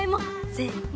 せの。